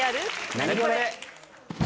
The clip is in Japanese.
ナニコレ！